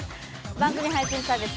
番組配信サービス